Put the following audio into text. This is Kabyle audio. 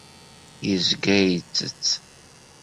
Yezga ittett.